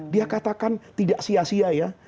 dia katakan tidak sia sia ya